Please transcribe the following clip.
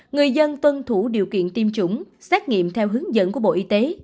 người dân tuân thủ điều kiện tiêm chủng xét nghiệm theo hướng dẫn của bộ y tế